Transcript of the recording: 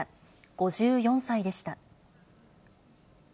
５４歳でした。